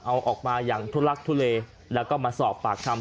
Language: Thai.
เอาออกมาอย่างทุลักทุเลแล้วก็มาสอบปากคำ